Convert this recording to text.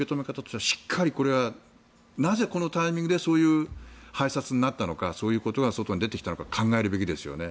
なぜ、しっかりこういうタイミングでそういう拝察になったのかそういうことが外に出てきたのか考えるべきですよね。